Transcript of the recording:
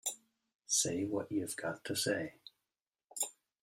Say what you have got to say!